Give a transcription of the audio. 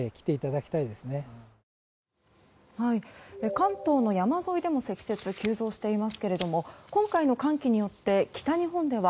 関東の山沿いでも積雪が急増していますが今回の寒気によって、北日本では